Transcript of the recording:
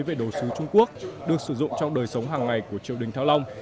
về đồ sứ trung quốc được sử dụng trong đời sống hàng ngày của triều đình thăng long